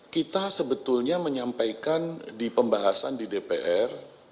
kita sebetulnya menyampaikan di pembahasan di dpr